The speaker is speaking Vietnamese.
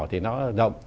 thì nó rộng